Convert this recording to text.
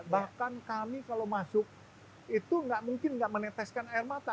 bahkan kami kalau masuk itu nggak mungkin nggak meneteskan air mata